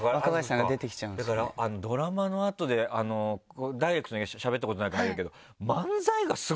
だからドラマの後でダイレクトにしゃべったことないからあれだけど。